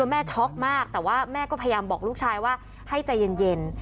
ช็อกมากแต่ว่าแม่ก็พยายามบอกลูกชายว่าให้ใจเย็น